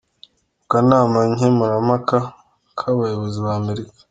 mu kanama nkemurampaka ka Abayobozi ba Amerika